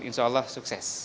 insya allah sukses